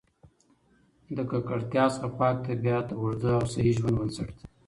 له ککړتیا څخه پاک طبیعت د اوږده او صحي ژوند بنسټ دی.